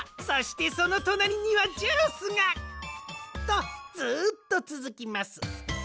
そしてそのとなりにはジュースが！とずっとつづきます。